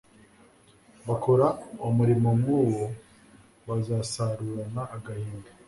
bakora umurimo nkuwo bazasarurana agahinda